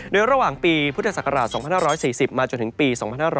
โดยระหว่างปีพุทธศักราช๒๕๔๐มาจนถึงปี๒๕๖๐